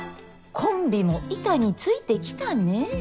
コンビも板についてきたね。